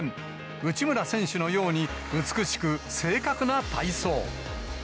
内村選手のように、美しく正確な体操。